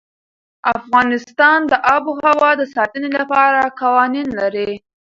افغانستان د آب وهوا د ساتنې لپاره قوانين لري.